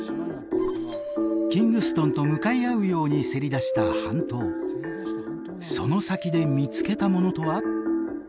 キングストンと向かい合うようにせり出した半島その先で見つけたものとは？